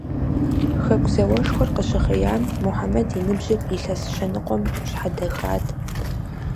Хэку зауэшхуэр къыщыхъеям, Мухьэмэд и ныбжьыр илъэс щэ ныкъуэм щхьэдэхат.